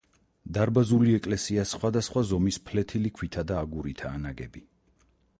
დარბაზული ეკლესია სხვადასხვა ზომის ფლეთილი ქვითა და აგურითაა ნაგები.